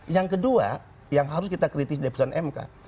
yang kedua yang harus kita kritis di putusan mk